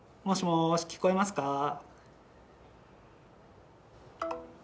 もしもーし、聞こえますか。